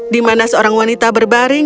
di mana seorang wanita berbaring